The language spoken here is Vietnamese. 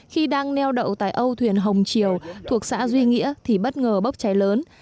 khi đang neo đậu tại âu thuyền hồng triều thuộc xã duy nghĩa thì bất ngờ bốc cháy lớn